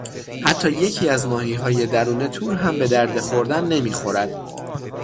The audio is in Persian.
حتی یکی از ماهیهای درون تور هم به درد خوردن نمیخورد.